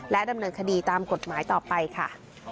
ดำเนินคดีตามกฎหมายต่อไปค่ะ